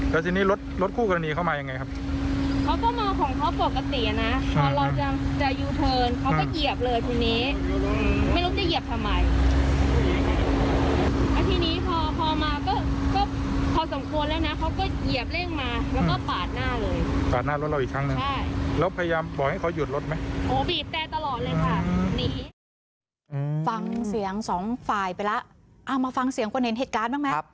ฟังเสียงสองฝ่ายไปแล้วมาฟังเสียงคนเห็นเหตุการณ์บ้างไหม